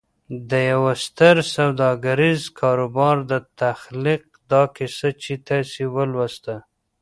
د يوه ستر سوداګريز کاروبار د تخليق دا کيسه چې تاسې ولوسته.